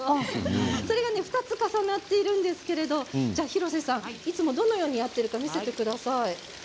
これが２つ重なっているんですけれど廣瀬さん、どのようにやっているか見せてください。